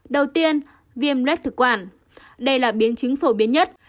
đầu tiên viêm luet thực quản đây là biến chứng phổ biến nhất